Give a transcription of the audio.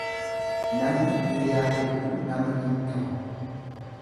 Namni hiriyaa hedduu nama hin tahu.